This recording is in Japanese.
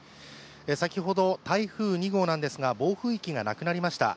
先ほど、台風２号ですが暴風域がなくなりました。